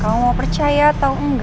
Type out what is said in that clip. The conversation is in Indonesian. kamu mau percaya atau enggak